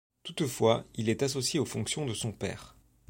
Toutefois, il est associé aux fonctions de son père.